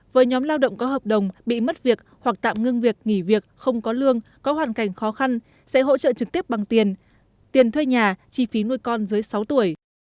với nhóm lao động có hợp đồng bị mất việc hoặc tạm ngưng việc nghỉ việc không có lương có hoàn cảnh khó khăn sẽ hỗ trợ trực tiếp bằng tiền tiền thuê nhà chi phí nuôi con dưới sáu tuổi